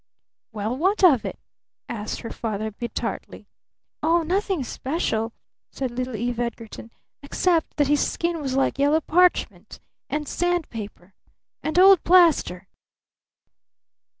"Well, what of it?" asked her father a bit tartly. "Oh, nothing special," said little Eve Edgarton, "except that his skin was like yellow parchment! And sand paper! And old plaster!"